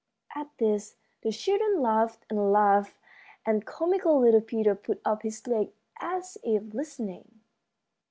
At this the children laughed and laughed, and comical little Peter put up his leg as if listening.